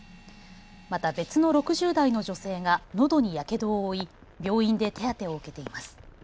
また、別の６０代の女性がのどにやけどを負い病院で手当てを受けています。